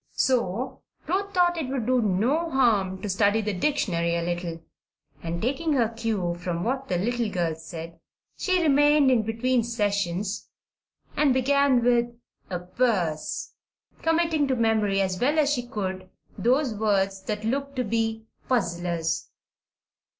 So Ruth thought it would do no harm to study the dictionary a little, and taking her cue from what the little girls said, she remained in between sessions and began with "aperse," committing to memory as well as she could those words that looked to be "puzzlers."